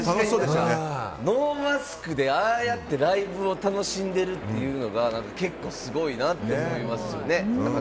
ノーマスクでああやってライブを楽しんでるっていうのが結構すごいなと思いますよね。